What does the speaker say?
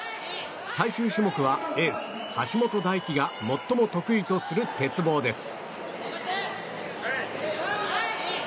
最終種目はエース橋本大輝が最も得意とする鉄棒です。